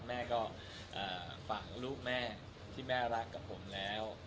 แม่ก็ฝังลูกแม่ที่แม่รักกับผมแล้ว